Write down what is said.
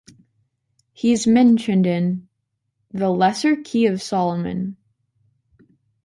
He is mentioned in "The Lesser Key of Solomon".